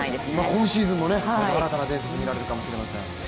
今シーズンも新たな伝説見られるかもしれません。